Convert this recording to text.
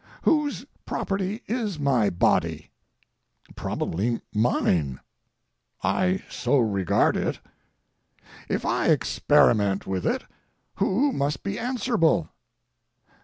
Whose property is my body? Probably mine. I so regard it. If I experiment with it, who must be answerable?